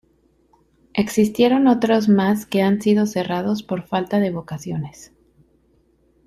Existieron otros más que han sido cerrados por falta de vocaciones.